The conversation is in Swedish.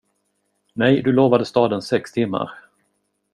Nej, du lovade staden sex timmar.